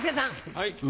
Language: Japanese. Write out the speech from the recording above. はい。